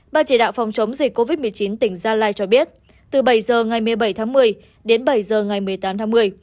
ban chỉ đạo phòng chống dịch covid một mươi chín tỉnh gia lai cho biết từ bảy h ngày một mươi bảy tháng một mươi đến bảy h ngày một mươi tám tháng một mươi